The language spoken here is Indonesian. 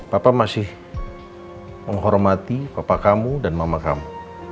papa masih menghormati papa kamu dan mama kamu